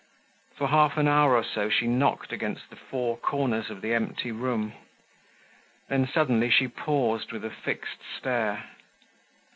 For half an hour or so, she knocked against the four corners of the empty room. Then, suddenly, she paused with a fixed stare.